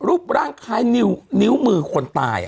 รูปร่างใครนิ้วมือคนตาย